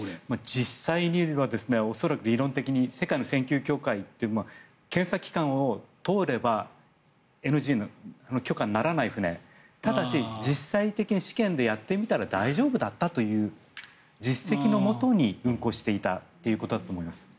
実際には恐らく理論的に世界の船級協会という検査機関を通ればＮＧ、許可にならない船ただし、実際に試験でやってみたら大丈夫だったという実績のもとに運航していたということだと思います。